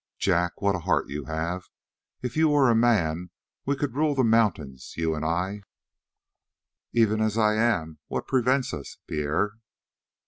"Jack, what a heart you have! If you were a man we could rule the mountains, you and I." "Even as I am, what prevents us, Pierre?"